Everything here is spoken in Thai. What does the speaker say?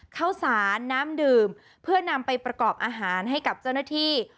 ข้าวสารน้ำดื่มเพื่อนำไปประกอบอาหารให้กับเจ้าหน้าที่